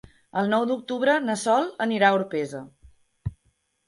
El nou d'octubre na Sol anirà a Orpesa.